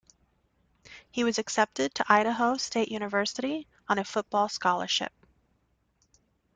He was accepted to Idaho State University on a football scholarship.